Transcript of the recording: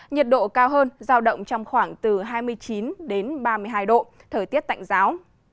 nhiệt độ cao hơn giao động trong khoảng từ hai mươi chín đến ba mươi hai độ thời tiết tạnh giáo